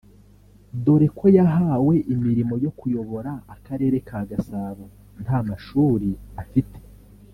dore ko yahawe imirimo yo kuyobora akarere ka Gasabo nta mashuri afite